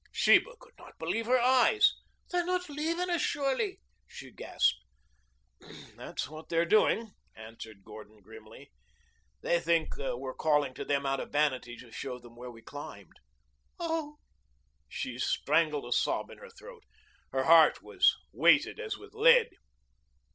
Sheba could not believe her eyes. "They're not leaving us surely?" she gasped. "That's what they're doing," answered Gordon grimly. "They think we're calling to them out of vanity to show them where we climbed." "Oh!" She strangled a sob in her throat. Her heart was weighted as with lead.